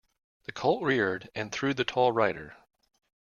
The colt reared and threw the tall rider.